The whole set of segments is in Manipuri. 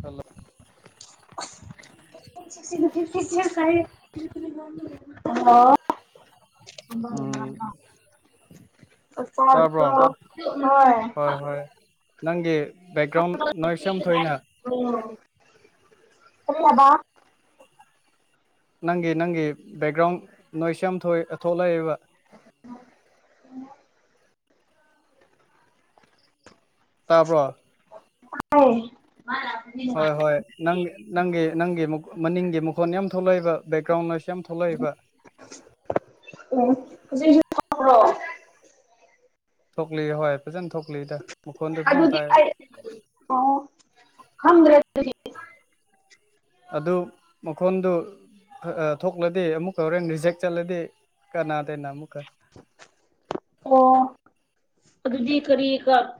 ꯍꯂꯣ [unintelligible] ꯍꯜꯂꯣ ꯎꯝ ꯆꯥꯛ ꯇꯥꯕ꯭ꯔꯣ ꯆꯥꯔꯕꯣ ꯍꯣꯏ ꯍꯣꯏ ꯅꯪꯒꯤ ꯕꯦꯛꯒ꯭ꯔꯥꯎꯟ ꯅꯣꯏꯁ ꯌꯥꯝ ꯊꯣꯛꯏꯅꯥ ꯀꯔꯤ ꯍꯥꯏꯕꯥ ꯅꯪꯒꯤ ꯅꯪꯒꯤ ꯕꯦꯛꯒ꯭ꯔꯥꯎꯟ ꯅꯣꯏꯁ ꯌꯥꯝ ꯊꫭꯛꯑꯦ ꯊꯣꯛꯂꯛꯑꯦꯕ꯫ [unintelligible] ꯇꯥꯕ꯭ꯔꯣ꯫ ꯇꯥꯏꯌꯦ꯫ ꯍꯣꯏ-ꯍꯣꯏ ꯅꯪ ꯅꯪꯒꯤ ꯅꯪꯒꯤ ꯃꯅꯤꯡꯒꯤ ꯃꯈꯣꯟ ꯌꯥꯝ ꯊꯣꯛꯂꯛꯏꯕ ꯕꯦꯛꯒ꯭ꯔꯥꯎꯟ ꯅꫭꯏꯁ꯫ ꯌꯥꯝ ꯊꯣꯛꯂꯛꯑꯦꯕ꯫ ꯍꯧꯖꯤꯛꯁꯨ ꯊꫭꯛꯄ꯭ꯔꫭ꯫ ꯊꯣꯛꯂꯤ ꯍꯣꯏ ꯐꯖꯅ ꯊꯣꯛ ꯑꯗꯨꯗꯤ ꯑꯩ ꯑꯣ꯫ ꯈꯪꯗ꯭ꯔꯦ ꯗꯨꯗꯤ꯫ ꯑꯗꯨ ꯃꯈꯣꯟꯗꯨ ꯈ ꯑ ꯊꯣꯛꯂꯗꯤ ꯑꯃꯨꯛ ꯀꯧꯔꯦꯟ ꯔꯤꯖꯦꯛ ꯆꯠꯂꯗꯤ ꯀꯅꯥꯗꯅ ꯑꯃꯨꯛꯀ꯫ [unintelligible] ꯑꯣ ꯑꯗꯨꯗꯤ ꯀꯔꯤ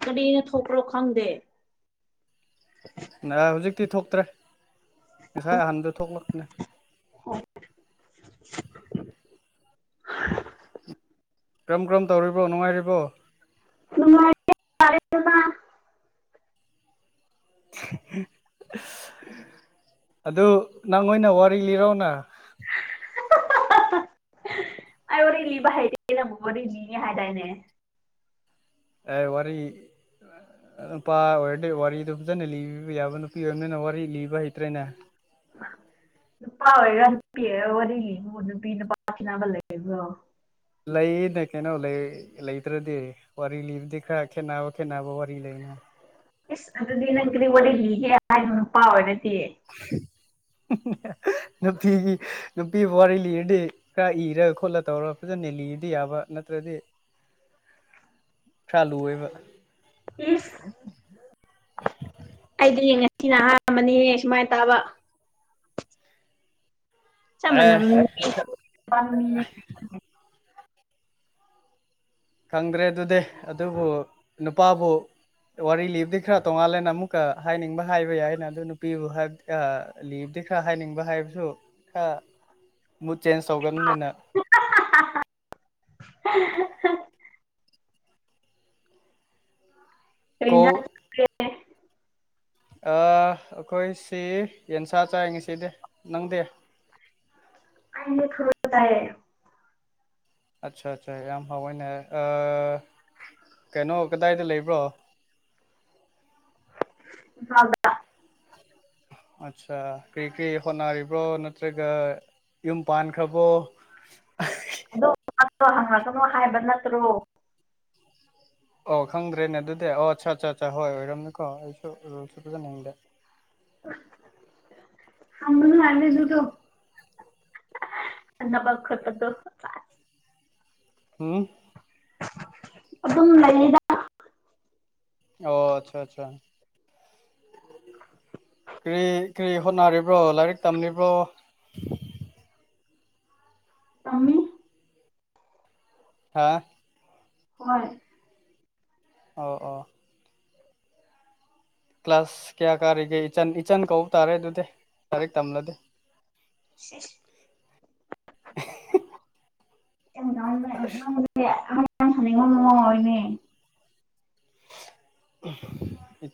ꯀꯔꯤꯅ ꯊꯣꯛꯄ꯭ꯔꯣ ꯈꯪꯗꯦ꯫ [unintelligible] ꯅꯔꯥ ꯍꯧꯖꯤꯛꯇꯤ ꯊꯣꯛꯇ꯭ꯔꯦ ꯉꯁꯥꯏ ꯑꯍꯥꯟꯕꯗ ꯊꯣꯛꯂꯛꯄꯅꯦ꯫ ꯑꯣ꯫ ꯀꯔꯝ ꯀꯔꯝ ꯇꯧꯔꯤꯕꯣ ꯅꯨꯡꯉꯥꯏꯔꯤꯕꯣ꯫ ꯅꯨꯡꯉꯥꯏꯔꯤ ꯍꯥꯏꯇꯥꯔꯦꯗ꯫ [unintelligible] ꯑꯗꯨ ꯅꯪ ꯑꫭꯏꯅ ꯋꯥꯔꯤ ꯂꯤꯔꯧꯅꯥ꯫ [unintelligible] ꯑꯩ ꯋꯥꯔꯤ ꯂꯤꯕ ꯍꯩꯇꯦ ꯅꯪꯕꯨ ꯂꯤꯅꯤ ꯍꯥꯏꯗꯥꯏꯅꯦ꯫ ꯑꯩ ꯋꯥꯔꯤ ꯅꯨꯄꯥ ꯑꯣꯏꯔꯗꯤ ꯋꯥꯔꯤꯗꫭ ꯐꯖꯅ ꯂꯤꯕꯤꯕ ꯌꯥꯕ ꯅꯨꯄꯤ ꯑꯣꯏꯕꯅꯤꯅ ꯋꯥꯔꯤ ꯂꯤꯕ ꯍꯩꯇ꯭ꯔꯦꯅꯦ꯫ [unintelligible] ꯅꯨꯄꯥ ꯑꯣꯏꯔ ꯅꯨꯄꯤꯔ ꯋꯥꯔꯤꯕꯨ ꯅꯨꯄꯤ ꯅꯨꯄꯥ ꯈꯦꯠꯅꯥꯕ ꯂꯩꯕ꯭ꯔꯣ꯫ ꯂꯩꯌꯦꯅ ꯀꯩꯅꯣ ꯂꯩꯇ꯭ꯔꯗꯤ ꯋꯥꯔꯤ ꯂꯤꯕꯗꯤ ꯈꯔ ꯈꯦꯠꯅꯕ-ꯈꯦꯠꯅꯕ ꯋꯥꯔꯤ ꯂꯩꯅ꯫ ꯏꯁ ꯑꯗꯨꯗꯤ ꯅꯪ ꯀꯔꯤ ꯋꯥꯔꯤ ꯂꯤꯒꯦ ꯍꯥꯏꯕ ꯅꯨꯄ ꯑꯣꯏꯔꯗꯤ꯫ [unintelligible] ꯅꯨꯄꯤꯒꯤ ꯅꯨꯄꯤꯕꯨ ꯋꯥꯔꯤ ꯂꯤꯔꯗꯤ ꯈꯔ ꯏꯔ ꯈꯣꯠꯂ ꯇꯧꯔ ꯐꯖꯅ ꯂꯤꯕꯗꯤ ꯌꯥꯕ꯫ ꯇ꯭ꯔꯗꯤ [unintelligible] ꯈꯔ ꯂꯨꯑꯦꯕ꯫ ꯎꯝ ꯑꯩꯗꯤ ꯌꯦꯡꯑꯦ꯫ ꯁꯤꯅ ꯑꯍꯥꯟꯕꯅꯤꯍ ꯁꯨꯃꯥꯏꯅ ꯇꯥꯕ꯫ ꯆꯞ ꯑꯦ ꯃꯥꯅꯕꯝ ꯅꯨꯄꯥ꯫ [inaudible] ꯈꯪꯗ꯭ꯔꯦ ꯑꯗꯨꯗꯤ ꯑꯗꯨꯕꯨ ꯅꯨꯄꯥꯕꯨ ꯋꯥꯔꯤ ꯂꯤꯕꯗꯤ ꯈꯔ ꯇꯣꯡꯉꯥꯜꯂꯦꯅ ꯑꯃꯨꯛꯀ ꯍꯥꯏꯅꯤꯡꯕ ꯍꯥꯏꯕ ꯌꯥꯏꯅ ꯑꯗꯨ ꯅꯨꯄꯤꯕꯨ ꯍꯥꯏꯕ ꯑ ꯂꯤ ꯗꯤ ꯈꯔ ꯍꯥꯏꯅꯤꯡꯕ ꯍꯥꯏꯕꯁꯨ ꯈꯔ ꯃꯨꯠ ꯆꯦꯟꯖ ꯇꯧꯒꯟꯅꯤꯅ [inaudible] [unintelligible] ꯑ ꯑꯩꯈꯣꯏ ꯁꯤ ꯌꯦꯟꯁꯥ ꯆꯥꯏ ꯉꯁꯤꯗꯤ ꯅꯪꯗꯤ꯫ ꯑꯩꯗꯤ ꯊꯔꫭꯏ ꯆꯥꯏꯌꯦ꯫ ꯑꯆꯥ ꯑꯆꯥ ꯌꯥꯝ ꯍꯥꯎꯋꯦꯅꯦ꯫ ꯀꯩꯅꯣ ꯀꯗꯥꯏꯗ ꯂꯩꯕ꯭ꯔꯣ꯫ ꯏꯝꯐꯥꯜꯗ꯫ ꯑꯠꯆꯥ ꯀꯔꯤ-ꯀꯔꯤ ꯍꯣꯠꯅꯔꯤꯕ꯭ꯔꯣ ꯅꯠꯇ꯭ꯔꯒ ꯌꯨꯝ ꯄꯥꯟꯈ꯭ꯔꯕꯣ꯫ ꯑꯗꫭ ꯋꯥꯗꫭ ꯍꯪꯉꯛꯀꯅꫭ ꯍꯥꯏꯕ ꯅꯠꯇ꯭ꯔꯣ꯫ ꯑꯣ ꯈꯪꯗ꯭ꯔꯦꯅꯦ ꯑꯗꯨꯗꯤ ꯑꯣ ꯑꯠꯆꯥ ꯑꯠꯆꯥ ꯑꯠꯆꯥꯥ ꯍꯣꯏ ꯑꯣꯏꯔꯝꯃꯤꯀꯣ ꯑꯩꯁꯨ ꯔꯣꯜꯁꯨ ꯄꯨꯖꯅꯤꯡꯗꯦ ꯑꯃꯅ ꯍꯥꯏꯗ ꯑꯗꯨꯗꯣ ꯑ ꯅꯕ ꯈꯔꯄꯠꯇꯣ ꯑꯝ ꯑꯗꯨꯝ ꯂꯩꯅꯤꯗ ꯑꯣ ꯑꯆꯥ ꯑꯆꯥ ꯀ ꯀ ꯍꯣꯠꯅꯔꯤꯕ꯭ꯔꯣ ꯂꯥꯏꯔꯤꯛ ꯇꯝꯂꯤꯕ꯭ꯔꯣ ꯑꯃꯃꯤ ꯍꯥ ꯍꯣꯏ ꯑꯣ ꯑꯣ ꯀ꯭ꯂꯥꯁ ꯀꯌꯥ ꯀꯥꯔꯤꯒꯦ ꯏꯆꯟ ꯏꯆꯟ ꯀꯧꯕ ꯇꯥꯔꯦ ꯑꯗꯨꯗꯤ ꯂꯥꯏꯔꯤꯛ ꯇꯝꯂꯗꯤ ꯅꯪꯗꯤ ꯁꯅꯤꯡꯉꯣ ꯅꯑꯣ ꯏꯅꯦ ꯎ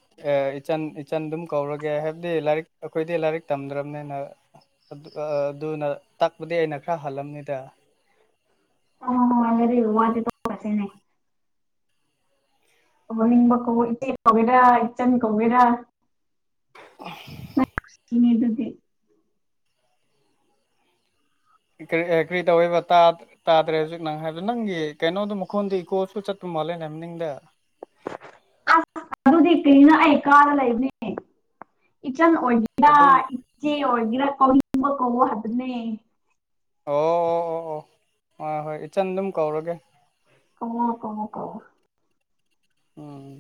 ꯏꯆꯟ ꯏꯆꯟ ꯑꯗꯨꯝ ꯀꯧꯔꯒꯦ ꯍꯥꯏꯕꯗꯤ ꯂꯥꯏꯔꯤꯛ ꯑꯩꯈꯣꯏꯗꯤ ꯂꯥꯏꯔꯤꯛ ꯇꯝꯗ꯭ꯔꯕꯅꯤꯅ ꯑꯗꯨꯅ ꯇꯥꯛꯄꯗꯤ ꯑꯩꯅ ꯈꯔ ꯍꯜꯂꯝꯅꯤꯗ ꯑꯉ ꯋꯥꯗꯤ ꯀꯁꯅꯦ ꯑ ꯅꯤꯡꯕ ꯀ ꯏꯆꯦ ꯀꯧꯋꯦꯔꯥ ꯏꯆꯟ ꯀꯧꯋꯦꯔꯥ ꯑ ꯏ ꯑꯗꯨꯗ ꯑꯦꯒ꯭ꯔꯤ ꯇꯧꯕ ꯇꯥꯗ꯭ꯔꯦ ꯍꯧꯖꯤꯛ ꯅꯪ ꯍꯥꯏ ꯑꯗ ꯅꯪꯒꯤ ꯀꯩꯅꯣꯗꯣ ꯃꯈꯣꯟꯗꯤ ꯏꯀꯣꯁꯨ ꯆꯠꯄ ꯃꯥꯜꯂꯦ ꯅꯅꯤꯡꯗ ꯑꯁ ꯀꯅ ꯑꯩ ꯀꯥꯔ ꯂꯩꯅꯦ ꯆꯟ ꯑꯣꯒꯔ ꯑꯗꯨ ꯏꯖꯦ ꯑꯣꯒꯔ ꯀꯧꯕ ꯀꯧ ꯍꯗꯅꯦ ꯑꯣ ꯑꯣ ꯑꯣ ꯑꯣ ꯍꯣꯏ ꯍꯣꯏ ꯏꯆꯟ ꯑꯗꯨꯝ ꯀꯧꯔꯒꯦ ꯀꯉ ꯀꯣ ꯀꯣ ꯑꯣꯝ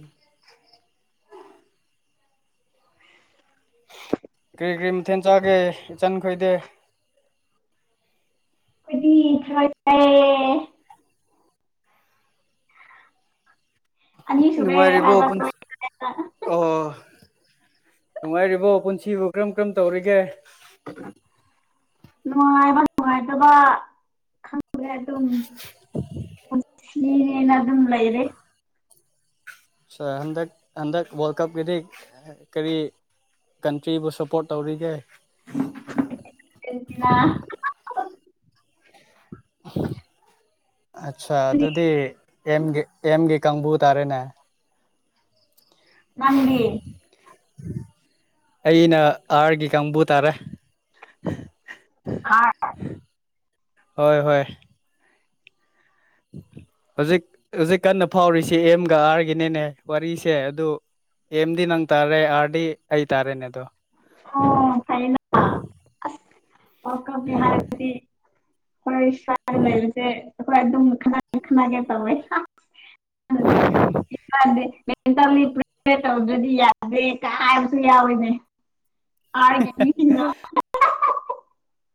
ꯀꯔꯤ ꯀꯔꯤ ꯃꯊꯦꯟ ꯆꯥꯒꯦ ꯏꯆꯟ ꯈꯣꯏꯗꯦ ꯑꯩꯈꯣꯏꯗꯤ ꯈꯔ ꯌꯥ ꯑꯅꯤ ꯁꯨꯔꯦ ꯅꯨꯡꯉꯥꯏꯔꯤꯕꯣ ꯍꯥꯏꯕ ꯄꯨ ꯊꯔꯣꯏ ꯆꯥꯏꯕ ꯑꯣ ꯅꯨꯡꯉꯥꯏꯔꯤꯕꯣ ꯄꯨꯟꯁꯤꯕꯨ ꯀꯔꯝ ꯀꯔꯝ ꯇꯧꯔꯤꯒꯦ ꯅꯨꯡꯉꯥꯏꯕ ꯅꯨꯡꯉꯥꯏꯇꯕꯥ ꯈꯪꯗ꯭ꯔꯦ ꯑꯗꯨꯝ [unintelligible] ꯑꯗꯨ ꯂꯩꯥꯏꯔꯦ ꯁꯥ ꯍꯟꯗꯛ ꯍꯟꯗꯛ ꯋꯥꯔꯜꯗ ꯀꯞꯀꯤꯗꯤ ꯀꯔꯤ ꯀꯟꯇ꯭ꯔꯤꯕꯨ ꯁꯞꯄꯣꯔꯠ ꯇꯧꯔꯤꯒꯦ ꯑꯔꯖꯦꯟꯇꯤꯅꯥ ꯑꯆꯥ ꯑꯗꯨꯗꯤ ꯑꯦꯝꯒꯤ ꯑꯦꯝꯒꯤ ꯀꯥꯡꯕꯨ ꯇꯥꯔꯦꯅꯦ ꯅꯪꯗꯤ ꯑꯩꯅ ꯑꯥꯔꯒꯤ ꯀꯥꯡꯕꯨ ꯇꯥꯔꯦ ꯑꯥꯔ ꯍꯣꯏ ꯍꯣꯏ [inaudible] ꯍꯧꯖꯤꯛ ꯍꯧꯖꯤꯛ ꯀꯟꯅ ꯐꯥꯎꯔꯤꯁꯤ ꯑꯦꯝꯒ ꯑꯥꯔꯒꯤꯅꯤꯅꯦ ꯋꯥꯔꯤꯁꯦ ꯑꯗꯨ ꯑꯦꯝꯗꯤꯟ ꯅꯪ ꯇꯥꯔꯦ ꯑꯥꯔꯗꯤ ꯑꯩ ꯇꯥꯔꯦꯅꯦ ꯑꯗꯣ [unintelligible] ꯑꯁ ꯋꯥꯔꯜꯗ ꯀꯞꯀꯤ ꯍꯥꯢꯔꯗꯤ ꯑꯩꯈꯣꯢ ꯁꯋ꯭ꯥꯢꯗ ꯂꯩꯔꯤꯁꯦ ꯑꯩꯈꯣꯢ ꯑꯗꯨꯝ ꯈꯠꯅꯒꯦ ꯈꯠꯅꯒꯦ ꯇꯧꯋꯦ [unintelligible] ꯏꯟꯇꯔꯅꯦꯠ [unintelligible] ꯇꯧꯗ꯭ꯔꯗꯤ ꯌꯥꯗꯦ ꯀ ꯍꯥꯢꯕꯁꯨ ꯌꯥꯎꯋꯤꯅꯦ ꯑꯥꯔꯒꯤ ꯃꯤꯁꯤꯡꯅ [unintelligible]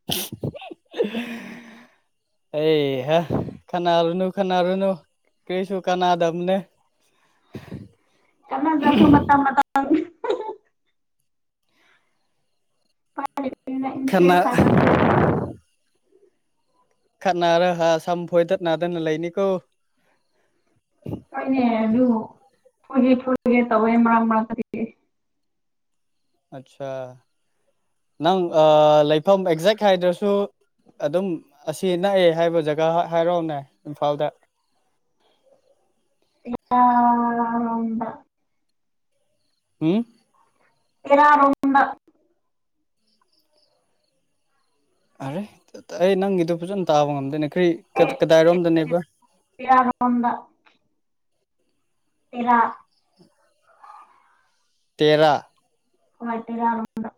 [unintelligible] ꯑꯩ ꯍꯥ ꯈꯅꯥꯔꯨꯅꯨ ꯈꯅꯥꯔꯨꯅꯨ ꯀ꯭ꯔꯤꯁꯨꯨ ꯀꯅꯥꯗꯝꯅꯦ ꯀꯅꯥꯗ꯭ꯔꯁꯨ ꯃꯇꯝ [unintelligible] [unintelligible] ꯈꯠꯅ ꯏꯟꯇ꯭ꯔꯦꯁ [unintelligible] ꯈꯠꯅꯔꯍ ꯁꯝꯐꯣꯏꯗꯠ ꯅꯥꯗꯅ ꯂꯩꯅꯤꯀꯣ ꯍꯣꯏꯅꯦ ꯑꯗꯨ ꯐꯦꯢꯒꯦ ꯐꯣꯢꯒꯦ ꯇꯧꯋꯦ ꯃꯔꯛ ꯃꯔꯛꯇꯗꯤ ꯑꯠꯆꯥꯥ ꯅꯪ ꯂꯩꯐꯝ ꯑꯦꯛꯖꯦꯛ ꯍꯥꯏꯗ꯭ꯔꯁꯨ ꯑꯗꯨꯝ ꯑꯁꯤ ꯅꯛꯑꯦ ꯍꯥꯏꯕ ꯖꯒꯥ ꯍꯥꯏꯔꯛꯑꯣꯅꯦ ꯏꯝꯐꯥꯜꯗ [inaudible] ꯑꯥ ꯍꯨꯝ? [unintelligible] ꯑꯔꯦ ꯑꯩ ꯅꯪꯒꯤꯗꯨ ꯐꯖꯅ ꯇꯥꯕ ꯉꯝꯗꯦꯅꯦ ꯭ꯀꯔꯤ ꯑꯦ ꯀꯗꯥꯏꯔꯣꯝꯗꯅꯦꯕ ꯇꯦꯔꯥꯔꯣꯝꯗ ꯇꯦꯔꯥ ꯇꯦꯔꯥ ꯍꯣꯢ ꯇꯦꯔꯥ ꯔꯣꯝꯗ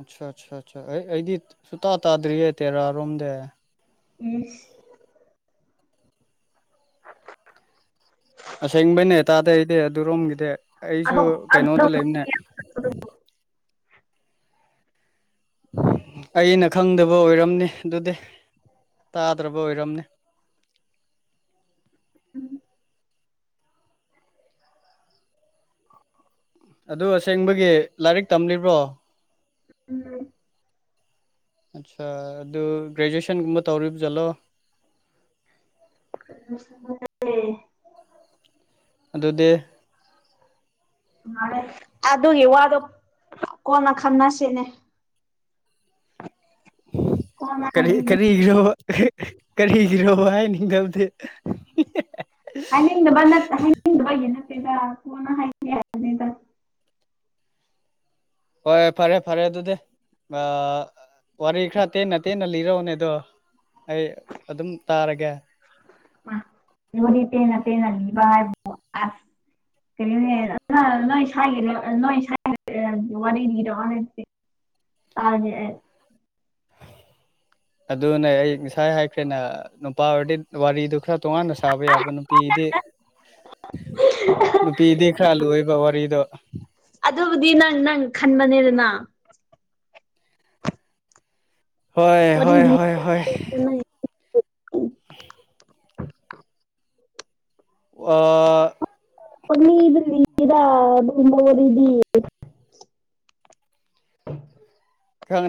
ꯑꯠꯆꯥ ꯑꯠꯆꯥ ꯑꯠꯆꯥ ꯑꯩ ꯑꯩꯗꯤ ꯁꯨꯇꯥ ꯇꯥꯗ꯭ꯔꯤꯌꯦ ꯇꯦꯔꯥꯔꯣꯝꯗ ꯢꯁ ꯑꯁꯦꯡꯕꯩꯅꯦ ꯇꯥꯥꯗꯦ ꯑꯩꯗꯤ ꯑꯗꯨꯔꯣꯝꯒꯤꯗꯤ ꯑꯩꯁꯨ ꯑꯗꯨꯝ ꯑꯗꯨꯝ ꯀꯩꯅꯣꯗ ꯂꯩꯕꯅꯦ ꯑꯩꯅ ꯈꯪꯗꯕ ꯑꯣꯏꯔꯝꯅꯤ ꯑꯗꯨꯗꯤ ꯇꯥꯗ꯭ꯔꯕ ꯑꯣꯏꯔꯝꯅꯤ [inaudible] ꯑꯗꯨ ꯑꯁꯦꯡꯕꯒꯤ ꯂꯥꯏꯔꯤꯛ ꯇꯝꯂꯤꯕ꯭ꯔꯣ ꯎꯝ ꯑꯠꯆꯥ ꯑꯗꯨ ꯒ꯭ꯔꯦꯖꯨꯑꯦꯁꯟꯒꯨꯝꯕ ꯇꯧꯔꯤꯕ ꯖꯥꯠꯂꯣ [unintelligible] ꯑꯗꯨꯗꯤ ꯑꯗꯨꯒꯤ ꯋꯥꯗꯣ ꯀꯣꯟꯅ ꯈꯪꯟꯅꯁꯤꯅꯦ ꯀꯣꯟꯅ ꯀꯔꯤ ꯍꯥꯏꯕꯤꯒꯦ ꯀꯔꯤꯒꯤ꯭ꯔꯣ ꯀꯔꯤꯒꯤ꯭ꯔꯣ ꯑꯅꯤꯡꯥꯎꯗꯤ ꯍꯅꯗꯕ ꯅꯠꯇ ꯍꯗꯕ ꯌꯦꯅ ꯀꯅ ꯍꯥꯏꯅꯤꯗ ꯍꯣꯏ ꯐꯔꯦ ꯐꯔꯦ ꯑꯗꯨꯗꯤ ꯑ ꯋꯥꯔꯈ ꯇ ꯅꯠꯇ ꯅ ꯂꯤꯔꯣꯅꯦꯗꯣ ꯑꯩ ꯑꯗꯨꯝ ꯇꯥꯔꯒꯦ ꯅ ꯥꯏ ꯑ ꯀꯔꯤꯅꯦ ꯅꯣꯏ ꯁꯒꯤꯔ ꯅꯣꯏ ꯁ ꯋꯥꯔꯅꯤꯔꯣꯦ ꯇꯥꯦ ꯑꯗꯨꯅꯦ ꯑꯩ ꯉꯁꯥꯏ ꯍꯥꯏꯈ꯭ꯔꯦꯅ ꯅꯨꯄꯥ ꯑꯣꯏꯔꯗꯤ ꯋꯥꯔꯤꯗꯨ ꯈꯔ ꯇꯣꯉꯥꯟꯅ ꯁꯥꯕ ꯌꯥꯕ ꯅꯨꯄꯤꯗꯤ ꯅꯨꯄꯤꯗꯤ ꯈꯔ ꯂꯣꯏꯕ ꯀꯔꯤꯗ ꯑꯗꯨꯕꯨꯗꯤ ꯅꯪ ꯅꯪ ꯈꯟꯕꯅꯦꯗꯅ ꯍꯣꯏ ꯋꯥꯔꯤ ꯍꯣꯏ ꯍꯣꯏ ꯍꯣꯏ ꯑ ꯃꯃꯤ ꯏꯔꯤꯗ ꯅꯃꯔꯗ ꯎ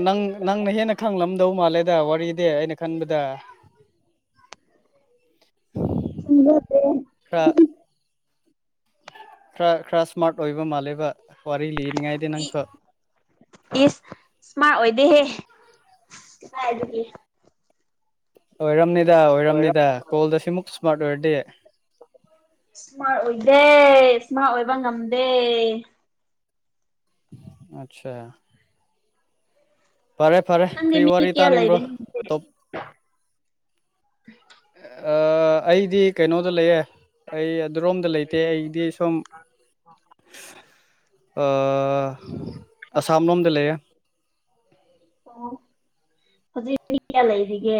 ꯅꯪ ꯅꯪꯅ ꯍꯦꯟꯅ ꯈꯪꯂꯝꯗꯧ ꯃꯥꯜꯂꯦꯗ ꯋꯥꯔꯤꯗꯤ ꯑꯩꯅ ꯈꯟꯕꯗ [unintelligible] ꯈꯔ ꯆꯗꯦ ꯈꯔ ꯈꯔ ꯏꯁꯃꯥꯔꯠ ꯑꯣꯏꯕ ꯃꯥꯜꯂꯦꯕ ꯐꯔꯂꯤ ꯅꯤꯡꯉꯥꯏꯗ ꯅꯪꯁꯨ ꯁꯃꯥꯏ ꯑꯣꯏꯗꯦꯍꯦ ꯑꯗꯨꯒꯤ ꯑꯣꯏꯔꯝꯅꯤꯗ ꯑꯣꯏꯔꯝꯅꯤꯗ ꯀꯣꯜꯗ ꯁꯤꯃꯨꯛ ꯁ꯭ꯃꯥꯔꯠ ꯑꯣꯏꯔꯗꯤ ꯏꯁꯃꯥꯔꯠ ꯑꯣꯏꯗꯦ ꯏꯁꯃꯥꯔꯠ ꯑꯣꯏꯕ ꯉꯝꯗꯦ ꯑꯆꯥ ꯅꯪꯦ ꯀꯔꯤ ꯃꯤ ꯋꯥꯔꯤ ꯀꯌꯥ ꯍꯂ ꯏꯗ ꯇꯥꯅꯤꯡꯕ꯭ꯔꯣ ꯇꯣꯞ ꯑꯩꯗꯤ ꯀꯩꯅꯣꯗ ꯂꯩꯌꯦ ꯑꯩ ꯑꯗꯨꯔꯣꯝꯗ ꯂꯩꯇꯦ ꯑꯩꯗꯤ ꯁꯨꯝ ꯑꯁꯥꯝꯅꯣꯝꯗꯤ ꯂꯩ ꯑꯣ ꯍꯧꯖꯤꯛ ꯃꯤ ꯀꯌꯥ ꯂꯩꯔꯤꯒꯦ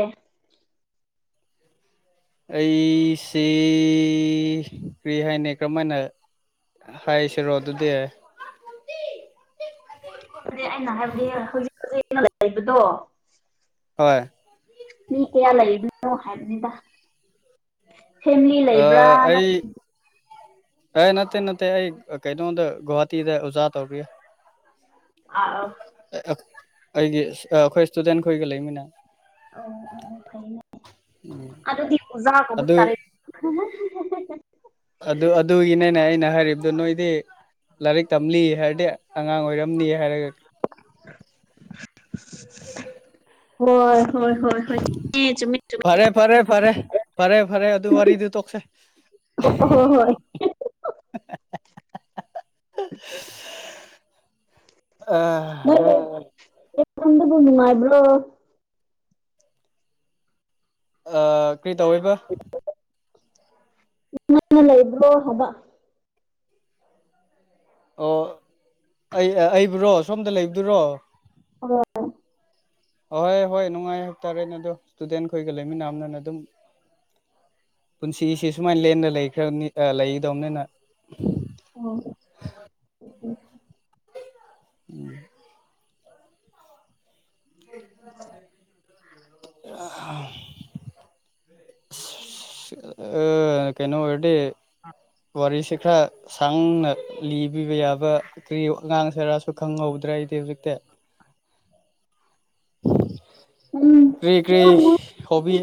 ꯑꯩꯁꯦ ꯀꯔꯤ ꯍꯥꯏꯅ ꯀꯔꯝꯍꯥꯏꯅ ꯍꯥꯏꯌꯦ ꯁꯔꯣ ꯑꯗꯨꯗꯤ [unintelligible] ꯑꯗꯨ ꯑꯩꯅ ꯍꯥꯏꯕꯗꯤ ꯍꯧꯖꯤꯛ ꯍꯧꯖꯤ ꯂꯩꯕꯗꯣ ꯍꯣꯏ ꯃꯤ ꯀꯌꯥ ꯂꯩꯕꯅꯣ ꯍꯥꯏꯕꯅꯤꯗ ꯐꯦꯃꯤꯂꯤ ꯑꯥ ꯂꯩꯕ꯭ꯔꯥ ꯑꯩ ꯑꯦ ꯅꯠꯇꯦ ꯅꯠꯇꯦ ꯑꯩ ꯀꯩꯅꯣꯝꯗ ꯒꯧꯍꯥꯇꯤꯗ ꯑꯣꯖꯥ ꯇꯧꯔꯤ ꯑꯥ ꯑ ꯑꯩꯒꯤ ꯑꯩꯈꯣꯏ ꯏꯁꯇꯨꯗꯦꯟꯈꯣꯏꯒ ꯂꯩꯃꯤꯅ ꯑꯣ ꯑꯣ ꯐꯩ ꯐ ꯑꯗꯨ ꯗ ꯀꯧꯕꯖ ꯀꯧꯕꯕ ꯑꯗꯨ ꯇꯔ ꯑꯗꯨ ꯑꯗꯨꯒꯤꯅꯦꯅꯦ ꯑꯩꯅ ꯍꯥꯏꯔꯤꯕꯗꯨ ꯅꯣꯏꯗꯤ ꯂꯥꯏꯔꯤꯛ ꯇꯝꯂꯤ ꯍꯥꯏꯔꯗꯤ ꯑꯉꯥꯡ ꯑꯣꯏꯔꯝꯅꯤ ꯍꯥꯏꯔꯒ ꯍꯣꯏ ꯍꯣꯏ ꯍꯣꯏ ꯍ ꯐꯔꯦ ꯐꯔꯦ ꯐꯔꯦ ꯐꯔꯦ ꯐꯔꯦ ꯑꯗꯨ ꯋꯥꯔꯤꯗꯨ ꯇꯣꯛꯁꯦ ꯑꯣ ꯍꯣ ꯍꯣꯏ [unintelligible] [unintelligible] ꯑ ꯀꯗ ꯄꯣꯅꯨꯃ ꯏꯕ꯭ꯂꯣ ꯀꯔꯤ ꯇꯧꯋꯕ ꯏꯃ ꯂꯩ ꯏꯕ꯭ꯔꯣ ꯍꯥꯕ ꯑꯣ ꯑꯩ ꯑꯩꯕꯨ꯭ꯔꯣ ꯁꯣꯝꯗ ꯂꯩꯕꯗꯨꯔꯣ ꯑꯣ ꯑꯍꯣꯏ ꯍꯣꯏ ꯅꯨꯡꯉꯥꯏ ꯍꯥꯏꯇꯥꯔꯦꯅꯦ ꯑꯗꯣ ꯏꯁꯇꯨꯗꯦꯟꯈꯣꯏꯒ ꯂꯩꯃꯤꯟꯅꯝꯅꯅ ꯑꯗꯨꯝ [unintelligible] ꯄꯨꯟꯁꯤꯁꯤ ꯁꯨꯃꯥꯏꯅ ꯂꯦꯟꯗ ꯂꯩꯈ꯭ꯔꯕꯅꯤ ꯂꯩꯈꯤꯗꯕꯅꯤꯅ ꯑꯣ ꯎꯝ ꯑ ꯑꯥ ꯑ ꯀꯩꯅꯣ ꯑꯣꯏꯗꯤ ꯑ ꯋꯥꯔꯤꯁꯤꯦ ꯈꯔ ꯁꯥꯡꯅ ꯂꯤꯕꯤꯕ ꯌꯥꯕ ꯀ ꯑꯉꯥꯡꯁꯦꯔꯁꯨ ꯈꯪꯍꯧꯗ꯭ꯔ ꯍꯥꯏꯗꯤ ꯛꯇ ꯑ ꯀꯔꯤ ꯀꯔꯤ ꯍꯣꯕꯤ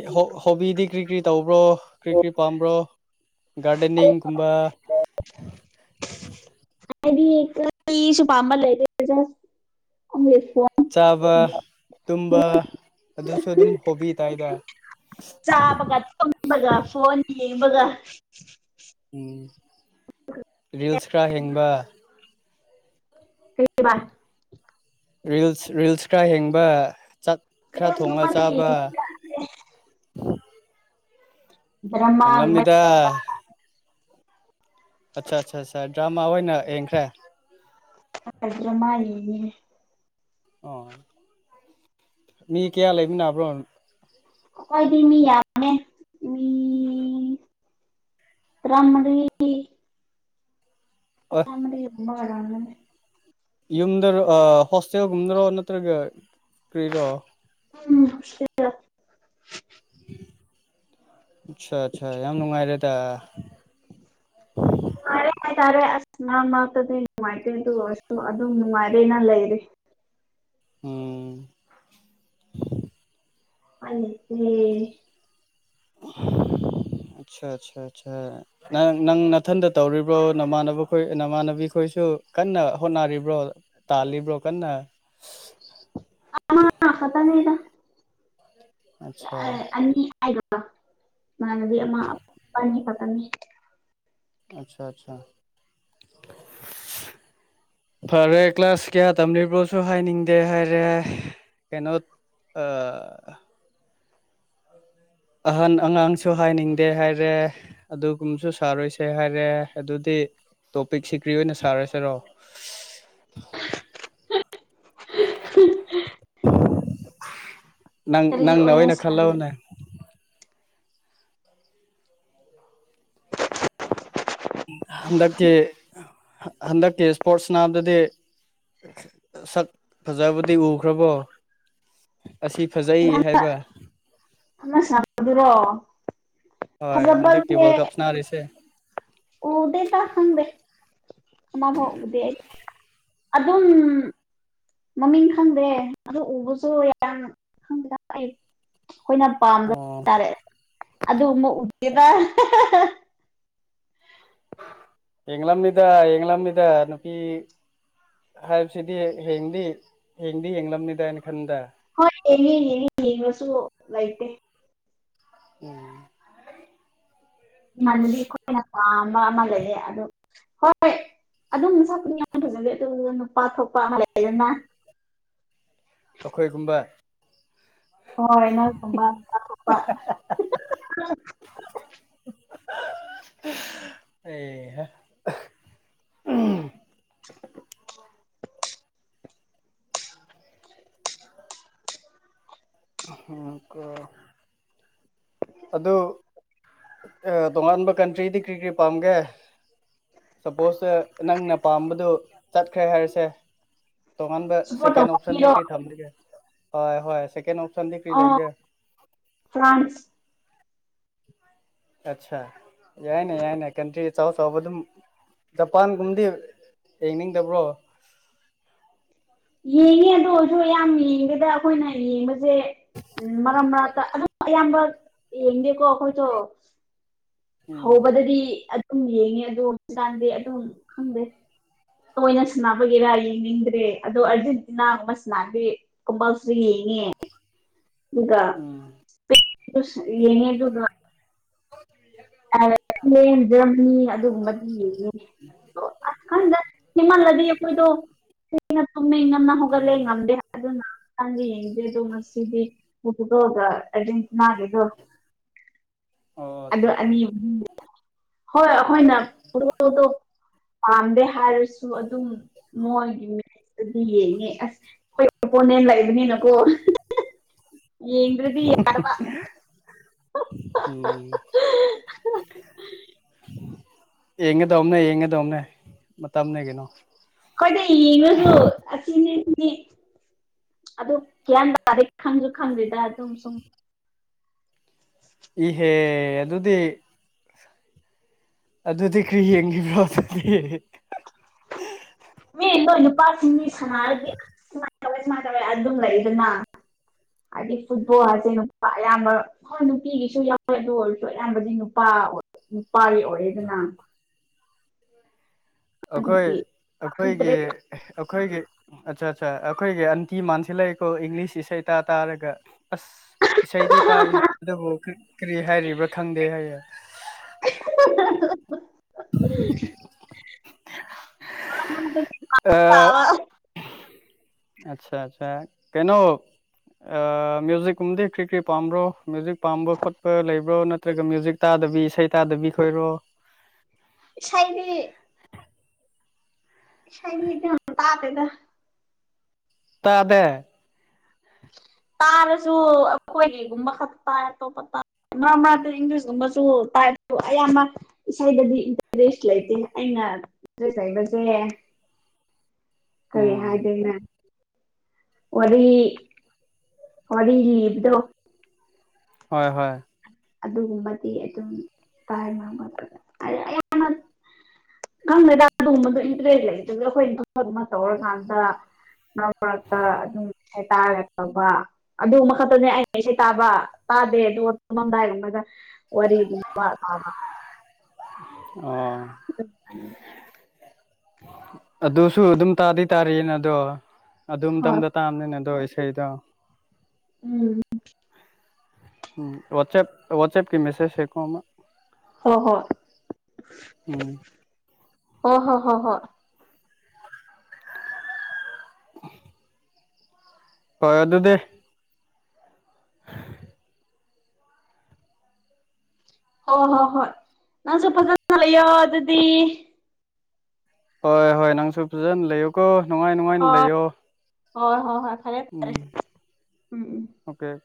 ꯍꯣꯕꯤꯗꯤ ꯀꯔꯤ ꯀ꯭ꯔꯤ ꯇꯧꯕ꯭ꯔꯣ ꯀꯔꯤ ꯀꯔꯤ ꯄꯥꯝꯕ꯭ꯔꯣ ꯒꯥꯔꯗꯅꯤꯡꯤꯡ ꯀꯨꯝꯕ ꯍꯥꯏꯗꯤ ꯏꯁꯨꯄꯝꯕꯜꯂꯂꯤꯁ ꯆꯥꯕ ꯇꯨꯝꯕ ꯑꯗꯨꯁꯨ ꯑꯗꯨꯝ ꯍꯣꯕꯤ ꯍꯥꯏꯇꯥꯔꯦ ꯆ ꯒ ꯊ ꯒ ꯐꯣꯟꯣꯟ ꯌꯦ ꯒ ꯎꯝ ꯔꯤꯜꯁ ꯈꯔ ꯍꯦꯡꯕ ꯀ ꯥꯏ ꯔꯤꯜꯁ ꯔꯤꯜꯁ ꯈꯔ ꯍꯦꯡꯕ ꯆꯥꯛ ꯈꯔ ꯊꯣꯡꯉ ꯅꯣꯡꯃꯗ ꯆꯥꯕ ꯗ꯭ꯔꯃꯥꯒꯨꯝꯕ ꯑꯦꯡꯂꯣꯝꯃꯤꯗꯥ ꯑꯠꯆꯥ ꯑꯠꯆꯥ ꯑꯆꯥ ꯗ꯭ꯔꯃꯥ ꯑꯣꯏꯅ ꯌꯦꯡꯈ꯭ꯔꯦ ꯔꯗ꯭ꯔ ꯃꯥ ꯑꯣ ꯃꯤ ꯀꯌꯥ ꯂꯩꯕ ꯅꯥꯕ꯭ꯔꯣ ꯀꯣꯏꯗꯃꯤ ꯌꯥꯅꯦ ꯎꯝ ꯔꯃꯔꯤ ꯑꯣꯏꯐ ꯊꯃ ꯑꯣꯏꯔꯃꯦ ꯌꯨꯝꯗꯔ ꯍꯣꯁꯇꯦꯜꯦꯜꯒꯨꯝꯗꯔꯣ ꯅꯠꯇ꯭ꯔꯒ ꯀꯔꯤꯔꯣ ꯎꯝ ꯁꯤꯗ ꯑꯆꯥ ꯑꯆꯥ ꯌꯥꯝ ꯅꯨꯡꯉꯥꯏꯔꯦꯗ ꯅꯨꯡꯉꯥꯏꯔꯦ ꯍꯥꯏꯇꯥꯔꯦ ꯑꯁ ꯃꯥ ꯉꯥꯛꯇꯗꯤ ꯅꯨꯡꯉꯥꯏꯇꯦ ꯑꯗꯨ ꯑꯣꯏꯔꯁꯨ ꯑꯗꯨꯝ ꯅꯨꯡꯉꯥꯏꯔꯦꯅ ꯂꯩꯔꯦ ꯎꯝ ꯑ ꯎ ꯑ ꯑꯠꯆꯥ ꯑꯦ ꯅꯪ ꯅꯪ ꯅꯅꯥꯊꯟꯗ ꯇꯧꯔꯤꯕ꯭ꯔꯣ ꯅꯃꯥꯟꯅꯕ ꯈꯣꯏ ꯅꯃꯥꯟꯅꯕꯤ ꯈꯣꯏꯁꯨ ꯀꯟꯅ ꯍꯣꯠꯅꯔꯤꯕ꯭ꯔꯣ ꯇꯥꯜꯂꯤꯕ꯭ꯔꯣ ꯀꯟꯅ ꯑ ꯐꯠꯇ ꯂꯩꯗ ꯑꯠꯆꯥ ꯑ ꯍꯥꯏ ꯃꯃꯥꯟꯅꯕꯤ ꯑꯃꯄꯥꯅꯤ ꯄꯀꯝꯃꯤ ꯑꯆꯥ ꯑꯆꯥ [inaudible] ꯐꯔꯦ ꯀ꯭ꯂꯥꯁ ꯀꯌꯥ ꯇꯝꯂꯤꯕ꯭ꯔꯣꯁꯨ ꯍꯥꯏꯅꯤꯡꯗꯦ ꯍꯥꯏꯔꯦ ꯀꯩꯅꯣ ꯑ ꯑꯍꯟ ꯑꯉꯥꯡꯁꯨ ꯍꯥꯏꯅꯤꯡꯗꯦ ꯍꯥꯏꯔꯦ ꯑꯗꯨꯒꯨꯝꯕꯁꯨ ꯁꯥꯔꯣꯏꯁꯦ ꯍꯥꯏꯔꯦ ꯑꯗꯨꯗꯤ ꯇꯣꯄꯤꯛꯁꯤ ꯀ꯭ꯔꯤ ꯑꯣꯏꯅ ꯁꯥꯔꯁꯤꯔꯣ [inaudible] ꯅꯪ ꯀꯔꯤ ꯅꯪꯅ ꯑꯣꯏꯅ ꯁꯥꯟꯅ ꯈꯜꯂꯧꯅꯦ ꯍꯟꯗꯛꯀꯤ ꯍꯟꯗꯛꯀꯤ ꯏꯁꯄꯣꯔꯠꯁ ꯅꯥꯝꯗꯗꯤ ꯁꯛ ꯐꯖꯕꯨꯗꯤ ꯎꯈ꯭ꯔꯕꯣ ꯑꯁꯤ ꯐꯖꯩ ꯍꯥꯏꯕ ꯀ꯭ꯔꯣ ꯍꯣꯏ ꯍꯟꯗꯛꯀꯤꯤ ꯋꯥꯔꯜ ꯀꯞ ꯁꯅꯔꯤꯁꯦ ꯑꯣꯗ ꯇ ꯍꯪꯗꯦ ꯑꯕꯗꯤ ꯑꯗꯨꯝ ꯃꯃꯤꯡ ꯈꯪꯗ꯭ꯔꯦ ꯑꯗꯨ ꯎꯕꯁꯨ ꯌꯥꯝ ꯑꯩꯈꯣꯏꯅ ꯄꯥꯝꯝꯕ ꯑꯣ ꯍꯥꯏꯇꯥꯔꯦ ꯑꯗꯨꯕ ꯎꯗꯦꯗ ꯌꯦꯥꯃꯤꯗ ꯌꯦꯃꯤꯗ ꯅꯄꯤ ꯍꯥꯏꯕꯁꯤꯗꯤ ꯍꯡꯗꯤ ꯍꯦꯡꯗꯤ ꯍꯡꯂꯅꯤꯗꯥꯅꯤ ꯍꯣꯏꯅꯤꯅꯤꯕ ꯁ ꯂꯥꯏꯇꯦ ꯎꯝ ꯏꯃꯅꯕꯤ ꯑꯩꯈꯣꯏꯅ ꯄꯥꯝꯕ ꯑꯃ ꯂꯩꯌꯦ ꯑꯗꯨ ꯍꯣꯏꯣꯏ ꯑꯗꯨꯝ ꯆꯄꯗꯤ ꯌꯥꯝ ꯐꯖꯗꯦ ꯑꯗꯨ ꯅꯨꯄꯥ ꯊꯣꯛꯄ ꯃꯂꯅ ꯑꯩꯈꯣꯏꯒꯨꯝꯕ ꯍꯣꯏꯅ ꯊꯝꯕ ꯑꯦꯍ ꯎꯝ ꯍꯀꯣ ꯑꯗꯨ ꯇꯣꯉꯥꯟꯕ ꯀꯟꯇ꯭ꯔꯤꯗꯤ ꯀꯔꯤ ꯀꯔꯤ ꯄꯥꯝꯒꯦ ꯁꯄꯣꯁ ꯅꯪꯅ ꯄꯥꯝꯕꯗꯨ ꯆꯠꯈ꯭ꯔꯦ ꯍꯥꯏꯔꯁꯦ ꯇꯣꯉꯥꯟꯕ ꯁꯞꯄꯣꯔꯠ ꯇꯧꯕ ꯑꯣꯞꯁꯟꯗꯤ ꯃꯤꯔꯣ ꯀꯩ ꯊꯝꯁꯤꯒꯦ ꯍꯣꯌ ꯍꯣꯌ ꯑ ꯐ꯭ꯔꯥꯟꯁ ꯑꯆꯥ ꯌꯥꯏꯅꯦ ꯌꯥꯏ ꯅ ꯀꯇꯔꯤ ꯆꯣ ꯁꯣ ꯖꯄꯥꯟꯒꯨꯝꯗꯤ ꯌꯦꯡꯅꯤꯡꯗꯕ꯭ꯔꯣ ꯌꯦꯡꯉꯦ ꯑꯗꯨ ꯑꯣꯏꯔꯁꯨ ꯌꯥꯝ ꯌꯦꯡꯒꯦꯗ ꯑꯩꯈꯣꯏꯅ ꯌꯦꯡꯕꯁꯦ ꯎꯝ ꯃꯔꯛ ꯃꯔꯛꯇ ꯑꯗꯨꯝ ꯑꯌꯥꯝꯕ ꯌꯦꯡꯗꯦꯀꯣ ꯑꯩꯈꯣꯏꯗꯣ ꯎꯝ ꯍꯧꯕꯗꯗꯤ ꯑꯗꯨꯝ ꯌꯦꯡꯉꯦ ꯑꯗꯨ ꯍꯧꯖꯤꯀꯥꯟꯗꯤ ꯑꯗꯨꯝ ꯈꯪꯗꯦ ꯇꯣꯏꯅ ꯁꯕꯒꯤꯦꯔꯥ ꯌꯦꯡꯅꯤꯡꯗ꯭ꯔꯦ ꯑꯗꯣ ꯑꯔꯖꯦꯟꯇꯤꯅꯥꯒꯨꯝꯕ ꯁꯅꯥꯗꯦ ꯀꯝꯄꯜꯁꯔꯤ ꯌꯦ ꯏꯒ ꯎꯝ ꯌꯦꯅꯦ ꯑꯗꯨꯒ ꯏꯪꯂꯦꯟ ꯖꯔꯃꯅꯤ ꯑꯗꯨꯒꯨꯝꯕꯗꯤ ꯌꯦꯡꯉꯅꯦ ꯑꯀꯟꯗ ꯍꯃꯜ ꯂꯗꯤ ꯑꯩꯈꯣꯏꯗ ꯇꯨꯝꯃꯤꯃꯦ ꯏ ꯉꯝꯅ ꯍꯒꯂꯦ ꯉꯝꯗꯦ ꯍꯥꯏ ꯅ ꯇꯪ ꯗꯦ ꯑꯗꯨ ꯃꯁꯗꯤ ꯎꯠꯗꯗ ꯑꯦꯖꯇꯅꯥꯒ ꯑꯗꯨ ꯑꯣ ꯑꯗꯨ ꯑꯠꯆꯥ ꯑꯠꯆꯥ ꯑꯅꯤ ꯍꯣꯏ ꯑꯩꯈꯣꯏꯅ ꯄꯣ ꯄꯥꯝꯗꯦ ꯍꯥꯏꯔꯁꯨ ꯑꯗꯨꯝ ꯃꯣꯏꯒꯤ ꯃꯦꯁꯇꯗꯤ ꯌꯦꯡꯉꯦ ꯑꯁ ꯑꯩꯣꯏꯄꯣꯅ ꯑꯦꯅꯤ ꯅꯀꯣ ꯏꯗꯤ ꯌꯥꯔꯋꯥ ꯑꯣꯝ ꯌꯦꯡꯉꯦꯗꯣꯅꯦ ꯌꯦꯡꯉꯗꯣꯅꯦ ꯃ ꯑꯃꯅꯦ ꯀꯩꯅꯣ ꯍꯣꯏꯅꯦ ꯌꯦꯡꯉꯁꯨ ꯑꯁꯤꯅꯤ ꯑꯗꯨ ꯀꯌꯥꯝ ꯇꯗꯤ ꯈꯪꯗꯁꯨ ꯈꯪꯗ꯭ꯗ ꯑꯗꯨꯝ ꯁꯨꯝ [unintelligible] ꯏꯍꯦ ꯑꯗꯨꯗꯤ ꯑꯗꯨꯗꯤ ꯀꯔꯤ ꯌꯦꯡꯈꯤꯕ꯭ꯔꯣ ꯑꯗꯨꯗꯤ ꯃꯤꯗꯣ ꯅꯨꯄꯥꯁꯤꯡ ꯃꯤ ꯁꯃꯔꯒꯤ ꯁꯃꯅ ꯇꯧꯦ ꯁꯨꯃꯥꯏꯅ ꯇꯧꯋꯦ ꯑꯗꯨꯝ ꯂꯩꯗꯅ ꯍꯥꯏꯗꯤ ꯐꯨꯠꯕꯣꯜꯁꯦ ꯅꯨꯄꯥ ꯑꯌꯥꯝꯕ ꯍꯣꯏ ꯅꯨꯄꯤꯒꯤꯁꯨ ꯌꯥꯎꯋꯦ ꯑꯗꯨ ꯑꯣꯏꯔꯁꯨ ꯑꯌꯥꯝꯕꯗꯤ ꯅꯨꯄꯥ ꯅꯨꯄꯥꯒꯤ ꯑꯣꯏꯔꯦꯗꯅ ꯑꯩꯈꯣꯏ ꯑꯗꯨꯒꯤ ꯑꯩꯈꯣꯏꯒꯤ ꯏꯟꯇꯔꯦꯁ ꯑꯩꯈꯣꯏꯒꯤ ꯑꯠꯆꯥ ꯑꯠꯆꯥ ꯑꯩꯈꯣꯏꯒꯤ ꯑꯟꯇꯤ ꯃꯥꯟꯁꯤ ꯂꯩꯀꯣ ꯏꯪꯂꯤꯁ ꯏꯁꯩ ꯇꯥ ꯇꯥꯔꯒ ꯑꯁ ꯏꯁꯩꯗꯤ ꯇꯥꯕꯅꯣꯇꯕꯨ ꯀꯔꯤ ꯍꯥꯏꯔꯤꯕ꯭ꯔꯥ ꯈꯪꯗꯦ ꯍꯥꯏꯌꯦ ꯑ [unintelligible] ꯕ ꯑꯆꯥ ꯑꯆꯥ ꯀꯩꯅꯣ ꯃ꯭ꯌꯨꯖꯤꯛꯀꯨꯝꯗꯤ ꯀ꯭ꯔꯤ ꯀꯔꯤ ꯄꯥꯝꯕ꯭ꯔꯣ ꯃ꯭ꯌꯨꯖꯤꯛ ꯄꯥꯝꯕ ꯈꯣꯠꯄ ꯂꯩꯕ꯭ꯔꯣ ꯅꯠꯇ꯭ꯔꯒ ꯃ꯭ꯌꯨꯖꯤꯛ ꯇꯥ ꯗꯕꯤ ꯏꯁꯩ ꯇꯥꯗꯕꯤ ꯈꯣꯏꯔꯣ ꯁꯥꯏꯕꯤ ꯁꯥꯏꯗꯤ ꯍ ꯇꯥꯇꯗ ꯇꯥꯗ ꯇꯥꯔꯁꯨ ꯑꯩꯈꯣꯏꯒꯤꯒꯨꯝꯕ ꯈꯛ ꯇꯥꯏ ꯑꯇꯣꯞꯄ ꯃꯥ ꯃꯥ ꯏꯪꯂꯤꯁꯀꯨꯝꯕꯁꯨ ꯇꯥꯏꯁꯨ ꯑꯌꯥꯝꯕ ꯏꯁꯩꯗꯗꯤ ꯏꯟꯇꯔꯦꯁ ꯂꯩꯇꯦ ꯑꯩꯅ ꯁꯕꯁꯦꯦ ꯀꯔꯦ ꯎꯝ ꯍꯥꯏꯅ ꯋꯥꯔꯤ ꯋꯥꯔꯤ ꯂꯤ ꯂꯤꯕꯗꯣ ꯍꯣꯏ ꯍꯣꯏ ꯑꯗꯨꯒꯨꯝꯕꯗꯤ ꯑꯗꯨꯝ ꯇꯥꯏ ꯃꯔꯝ ꯅꯪ ꯃꯦꯗꯥ ꯑꯗꯨꯒꯨꯝꯕꯗꯣ ꯏꯟꯇꯔꯦꯁ ꯂꯩ ꯑꯗꯨ ꯑꯩꯈꯣꯏ ꯏꯗꯨꯃ ꯇꯧꯔꯀꯥꯟꯗ ꯃꯔꯛ ꯃꯔꯛꯇ ꯑꯗꯨꯝ ꯇꯥꯔꯒ ꯇꯧꯕ ꯑꯗꯨꯕ ꯈꯛꯇꯅꯦ ꯑꯩꯅ ꯏꯁꯩꯦ ꯇꯥꯕ ꯑꯗꯦ ꯑꯗꯨ ꯑꯣꯃꯗꯑ ꯑꯣꯥ ꯑꯣ ꯑꯅꯤ ꯑꯗꯨꯁꯨ ꯑꯗꯨꯝ ꯇꯥꯗꯤ ꯇꯥꯔꯤꯌꯦꯅ ꯑꯗꯣ ꯑꯗꯨꯝ ꯍꯣꯏ ꯇꯝꯗ ꯇꯥꯕꯅꯤꯅ ꯑꯗꯣ ꯑꯩꯁ ꯈꯩꯗ ꯎꯝ ꯎꯝ ꯋꯥꯑꯞ ꯋꯥꯁꯑꯞꯀꯤ ꯃꯦꯁꯦꯖ ꯁꯦꯀ ꯍ ꯍꯣꯏ ꯎꯝ ꯍ ꯍ ꯍ ꯍꯣꯏ [inaudible] ꯍꯣꯏ ꯑꯗꯨꯗ ꯍꯣꯏ ꯍꯣꯏ ꯍꯣꯏ ꯅꯪꯁꯨ ꯐꯖꯅ ꯂꯩꯌꯣ ꯑꯗꯨꯗꯤ ꯍꯣꯏ ꯍꯣꯏ ꯅꯪꯁꯨ ꯐꯖꯅ ꯂꯩꯌꯣꯀꯣ ꯅꯨꯡꯉꯥꯏ ꯅꯨꯡꯉꯥꯏꯅ ꯍꯣꯏ ꯂꯩꯌꯣ ꯍꯣꯏ ꯍꯣꯏ ꯍꯣꯏ ꯐꯔꯦ ꯐꯔꯦ ꯎꯝ ꯎꯝ ꯑꯣꯀꯦ